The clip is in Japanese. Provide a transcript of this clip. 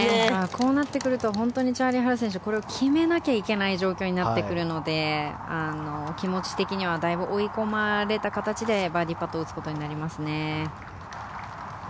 こうなってくると本当にチャーリー・ハル選手はこれを決めなきゃいけない状況になってくるので気持ち的にはだいぶ追い込まれた形でバーディーパットを打つことになりますね。